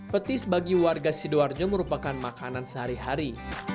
petis bagi warga sidoarjo merupakan makanan sehari hari